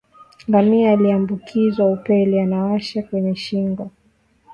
Ngamia aliyeambukizwa upele unaowasha kwenye shingo